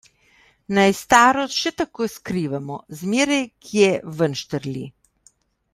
Naj starost še tako skrivamo, zmeraj kje ven štrli.